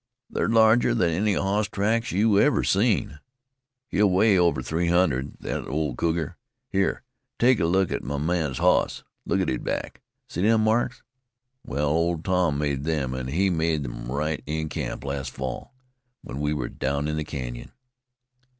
They're larger than any hoss tracks you ever seen. He'll weigh over three hundred, thet old cougar. Hyar, take a look at my man's hoss. Look at his back. See them marks? Wal, Old Tom made them, an' he made them right in camp last fall, when we were down in the canyon."